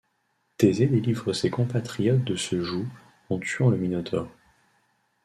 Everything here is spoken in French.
Thésée délivre ses compatriotes de ce joug en tuant le Minotaure.